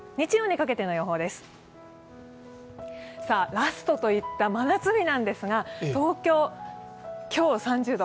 ラストといった真夏日なんですが、東京、今日３０度、